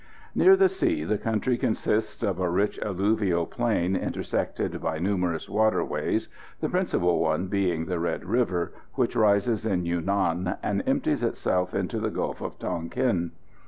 Near the sea the country consists of a rich alluvial plain intersected by numerous waterways, the principal one being the Red River, which rises in Yunan, and empties itself into the Gulf of Tonquin.